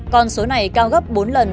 còn số này cao gấp bốn lần